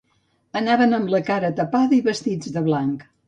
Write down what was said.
Anaven amb la cara tapada i vestits de blanc.